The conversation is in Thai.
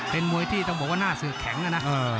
เป็นมวยที่ต้องบอกว่าหน้าสื่อแข็งนะ